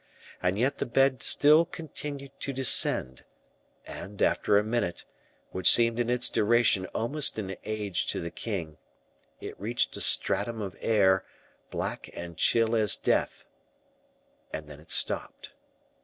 And yet the bed still continued to descend, and after a minute, which seemed in its duration almost an age to the king, it reached a stratum of air, black and chill as death, and then it stopped.